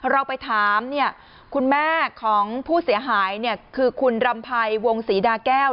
เราไปถามคุณแม่ของผู้เสียหายคือคุณรำภัยวงศรีดาแก้ว